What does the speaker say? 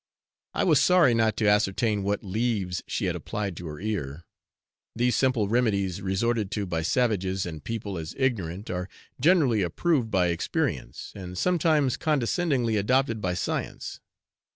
I was sorry not to ascertain what leaves she had applied to her ear. These simple remedies resorted to by savages, and people as ignorant, are generally approved by experience, and sometimes condescendingly adopted by science.